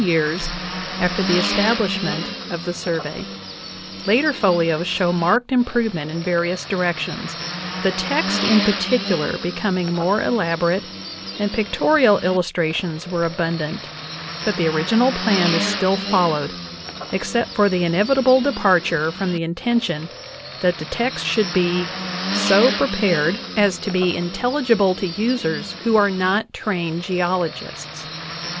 years after the establishment of the Survey; later folios show marked improvement in various directions, the text in particular becoming more elaborate and pictorial illustrations were abundant ; but the original plan is still followed, except for the inevitable departure from the intention that the text should be "so prepared as to be intelli 52 JOHN WESLEY POWELL DAVIS gible to users who are not trained geologists."